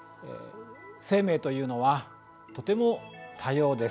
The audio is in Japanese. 生命というのはとても多様です。